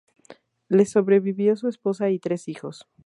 Le sobrevivió su esposa y tres hijos.